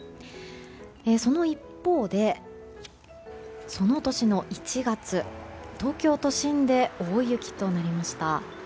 その一方で、その年の１月東京都心で大雪となりました。